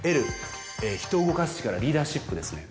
Ｌ人を動かす力リーダーシップですね。